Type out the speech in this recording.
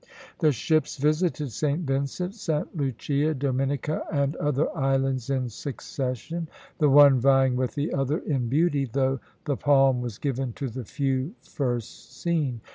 The ships visited Saint Vincent, Saint Lucia, Dominica, and other islands in succession, the one vying with the other in beauty, though the palm was given to the few first seen.